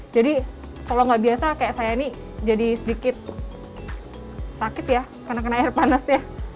jadi kalau enggak biasa kayak saya ini jadi sedikit sakit ya kena kena air panas ya